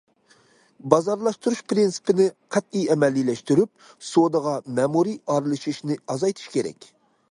بازارلاشتۇرۇش پىرىنسىپىنى قەتئىي ئەمەلىيلەشتۈرۈپ، سودىغا مەمۇرىي ئارىلىشىشنى ئازايتىش كېرەك.